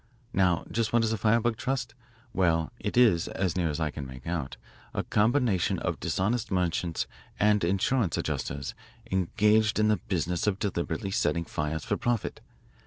Now just what is a firebug trust? Well, it is, as near as I can make out, a combination of dishonest merchants and insurance adjusters engaged in the business of deliberately setting fires for profit.